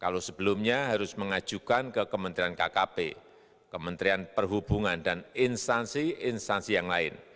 kalau sebelumnya harus mengajukan ke kementerian kkp kementerian perhubungan dan instansi instansi yang lain